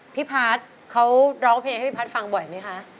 พี่พัฒน์เขาร้องเพลงให้พี่พัฒน์ฟังบ่อยไหมคะ